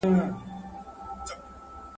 که اقتصادي وده چټکه سي سوکالي به راسي.